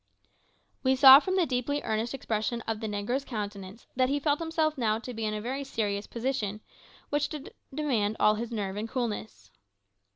We saw from the deeply earnest expression of the negro's countenance that he felt himself now to be in a very serious position, which would demand all his nerve and coolness.